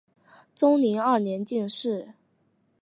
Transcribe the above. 崇宁二年进士。